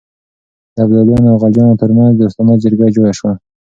د ابدالیانو او غلجیانو ترمنځ دوستانه جرګه جوړه شوه.